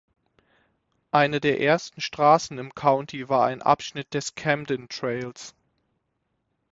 Eine der ersten Straßen im County war ein Abschnitt des Camden Trails.